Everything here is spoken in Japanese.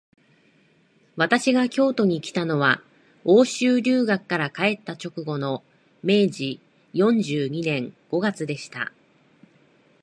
私が京都にきたのは、欧州留学から帰った直後の明治四十二年五月でした